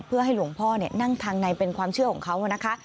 เพื่อให้หลวงพ่อนั่งทางในเป็นความเชื่อของเขานะคะ